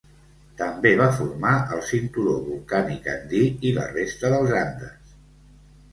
També va formar el cinturó volcànic andí i la resta dels Andes.